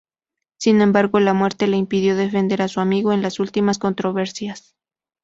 Sin embargo, la muerte le impidió defender a su amigo en las últimas controversias.